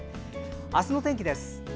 明日の天気です。